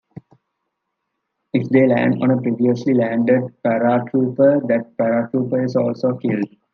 If they land on a previously landed paratrooper, that paratrooper is also killed.